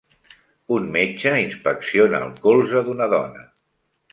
Un metge inspecciona el colze d'una dona.